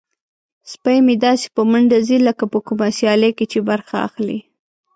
سپی مې داسې په منډه ځي لکه په کومه سیالۍ کې چې برخه اخلي.